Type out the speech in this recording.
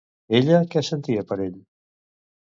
Ella què sentia per ell?